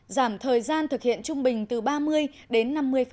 giảm thời gian thực hiện trung bình từ ba mươi đến năm mươi